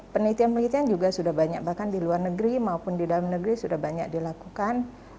penelitian penelitian juga sudah banyak bahkan di luar negeri maupun di dalam negeri sudah banyak dilakukan